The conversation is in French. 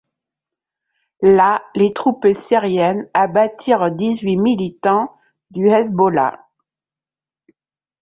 Là, les troupes syriennes abattirent dix-huit militants du Hezbollah.